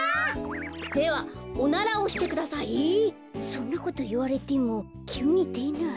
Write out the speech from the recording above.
そんなこといわれてもきゅうにでない。